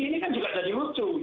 ini kan juga jadi lucu